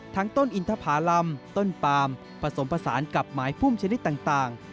ต้นอินทภาลำต้นปามผสมผสานกับหมายพุ่มชนิดต่าง